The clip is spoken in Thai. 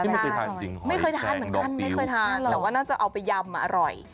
ไม่เคยทานเหมือนท่านแต่ว่าน่าจะเอาไปยำอร่อย